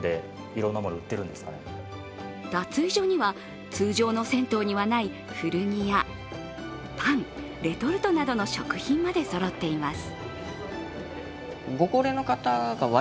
脱衣所には、通常の銭湯にはない古着やパン、レトルトの食品までそろっています。